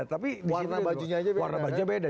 tapi warna bajunya beda